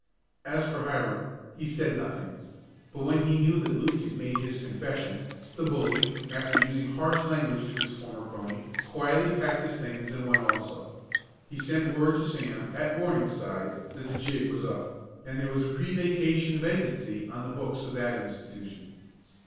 As for Hiram, he said nothing, but when he knew that Luke had made his confession, the bully, after using harsh language to his former crony, quietly packed his things and went also. He sent word to Sam, at Morningside, that "the jig" was up, and there was a pre vacation vacancy on the books of that institution.